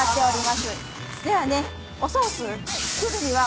ではね。